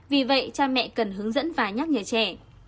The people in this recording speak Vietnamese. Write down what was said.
vì vậy cha mẹ cần hướng dẫn và nhắc nhở trẻ